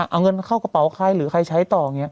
เอาเงินเข้ากระเป๋าใครหรือใครใช้ต่อ